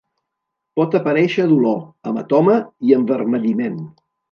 Pot aparèixer dolor, hematoma i envermelliment.